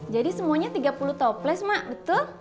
jadi semuanya tiga puluh toples mbak betul